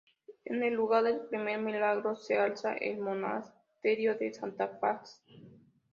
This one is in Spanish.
En el lugar del primer milagro se alza el monasterio de la Santa Faz.